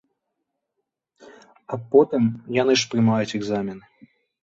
А потым яны ж прымаюць экзамены.